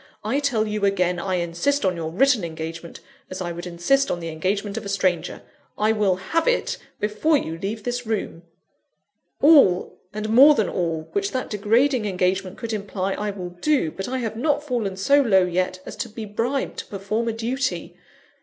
I tell you again, I insist on your written engagement as I would insist on the engagement of a stranger I will have it, before you leave this room!" "All, and more than all, which that degrading engagement could imply, I will do. But I have not fallen so low yet, as to be bribed to perform a duty.